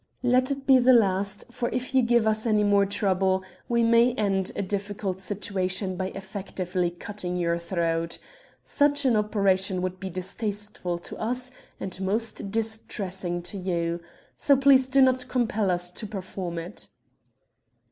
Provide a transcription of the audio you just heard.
Let it be the last, for if you give us any more trouble we may end a difficult situation by effectively cutting your throat. Such an operation would be distasteful to us and most distressing to you. So please do not compel us to perform it.'